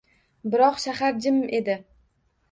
Biroq shahar jim edi.